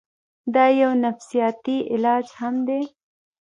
دا يو نفسياتي علاج هم دے